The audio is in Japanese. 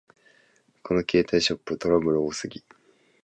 この携帯ショップ、トラブル多すぎ